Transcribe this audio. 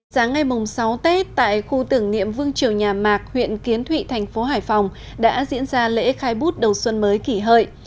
sáng ngày sáu tết tại khu tưởng niệm vương triều nhà mạc huyện kiến thụy thành phố hải phòng đã diễn ra lễ khai bút đầu xuân mới kỷ hợi